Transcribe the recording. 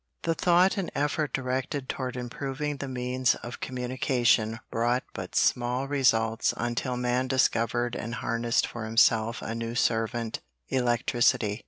The thought and effort directed toward improving the means of communication brought but small results until man discovered and harnessed for himself a new servant electricity.